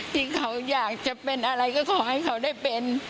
ที่เขาอยากจะเป็นอะไรก็ขอให้เขาได้เป็น